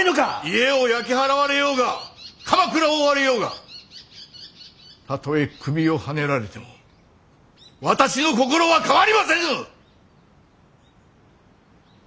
家を焼き払われようが鎌倉を追われようがたとえ首をはねられても私の心は変わりませぬ！